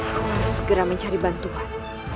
harus segera mencari bantuan